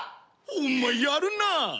お前やるなあ！